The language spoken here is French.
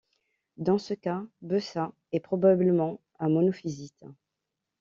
Dans ce cas, Bessas est probablement un monophysite.